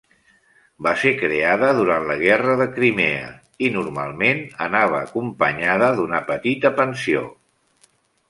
Va ser creada durant la Guerra de Crimea, i normalment anava acompanyada d'una petita pensió.